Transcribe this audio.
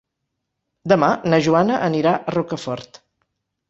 Demà na Joana anirà a Rocafort.